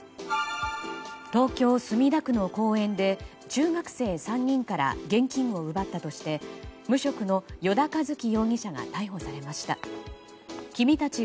東京・墨田区の公園で中学生３人から現金を奪ったとして無職の依田一樹容疑者が逮捕されました。